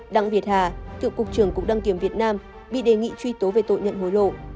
đặng việt hà cựu cục trưởng cục đăng kiểm việt nam bị đề nghị truy tố về tội nhận hối lộ